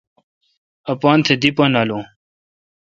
اپتھ دی پا نالون۔